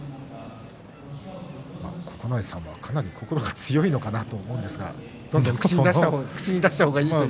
九重さんもかなり、心が強いのかなと思うんですが口に出した方がいいと。